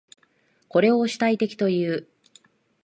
これを主体的という。